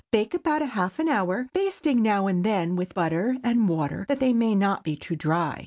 Bake about half an hour, basting now and then with butter and water, that they may not be too dry.